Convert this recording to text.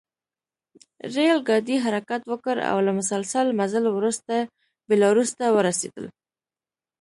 ریل ګاډي حرکت وکړ او له مسلسل مزل وروسته بیلاروس ته ورسېدل